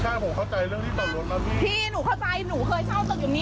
ใช่ผมเข้าใจเรื่องที่จอดรถนะพี่พี่หนูเข้าใจหนูเคยเช่าตึกอยู่นี้